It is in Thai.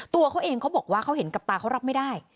ตัวเขาเองเขาบอกว่าเขาเห็นกับตาเขารับไม่ได้